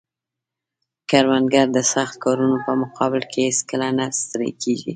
کروندګر د سخت کارونو په مقابل کې هیڅکله نه ستړی کیږي